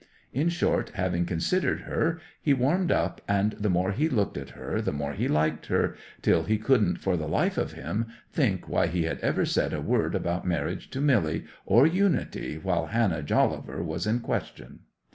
In short, having considered her, he warmed up, and the more he looked at her the more he liked her, till he couldn't for the life of him think why he had ever said a word about marriage to Milly or Unity while Hannah Jolliver was in question.